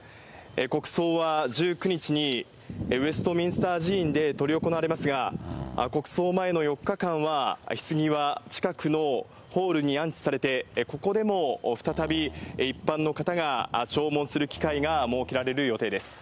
国葬は１９日にウェストミンスター寺院で執り行われますが、国葬前のひつぎは近くのホールに安置されて、ここでも再び一般の方が弔問する機会が設けられる予定です。